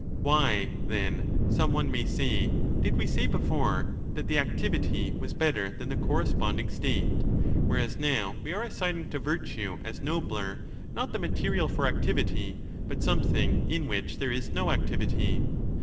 Why, then, some one may say, did we say before ^ that the activity was better than the corresponding state, 35 whereas now we are assigning to virtue as nobler not the » material for activity, but something in which there is no activity